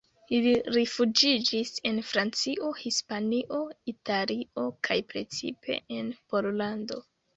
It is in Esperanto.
Ili rifuĝiĝis en Francio, Hispanio, Italio kaj precipe en Pollando.